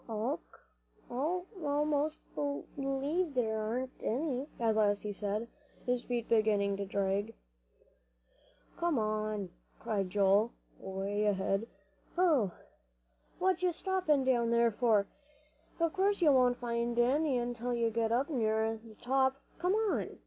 "I most b'lieve there aren't any," at last he said, his feet beginning to drag. "Come on," cried Joel, way ahead. "Hoh! what you stoppin' down there for? Of course you won't find any until you get up nearer the top. Come on!"